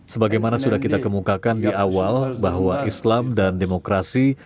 sebagaimana sudah kita kemukakan di awal bahwa islam dan demokrasi